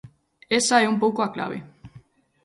Esa é un pouco a clave.